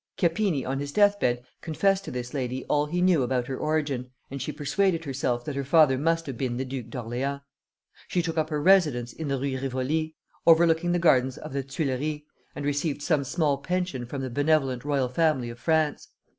Chiappini on his death bed confessed to this lady all he knew about her origin, and she persuaded herself that her father must have been the Duke of Orleans. She took up her residence in the Rue Rivoli, overlooking the gardens of the Tuileries, and received some small pension from the benevolent royal family of France.